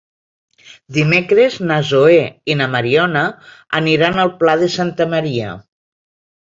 Dimecres na Zoè i na Mariona aniran al Pla de Santa Maria.